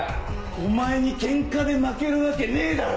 お前にケンカで負けるわけねえだろ！